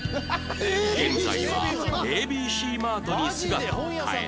現在は ＡＢＣ−ＭＡＲＴ に姿を変えた